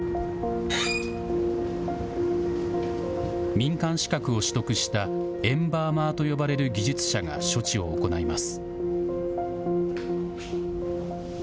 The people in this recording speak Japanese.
民間資格を取得したエンバーマーと呼ばれる技術者が処置を行います。